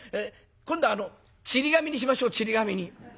今度ちり紙にしましょうちり紙に。